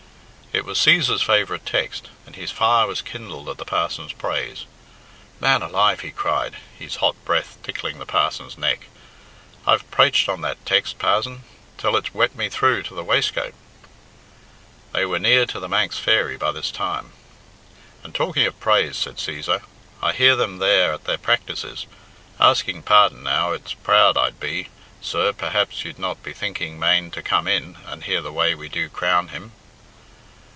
It was Cæsar's favourite text, and his fire was kindled at the parson's praise. "Man alive," he cried, his hot breath tickling the parson's neck, "I've praiched on that text, pazon, till it's wet me through to the waistcoat." They were near to "The Manx Fairy" by this time. "And talking of praise," said Cæsar, "I hear them there at their practices. Asking pardon now it's proud I'd be, sir perhaps you'd not be thinking mane to come in and hear the way we do 'Crown Him!'"